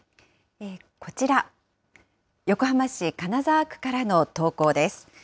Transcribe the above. こちら、横浜市金沢区からの投稿です。